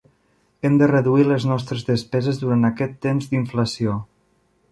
Hem de reduir les nostres despeses durant aquest temps d'inflació.